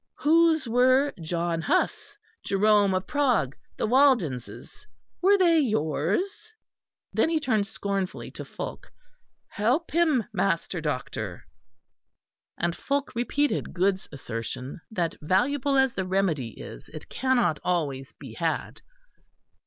Whose were John Huss, Jerome of Prague, the Waldenses? Were they yours?" Then he turned scornfully to Fulke, "Help him, Master Doctor." And Fulke repeated Goode's assertion, that valuable as the remedy is, it cannot always be had.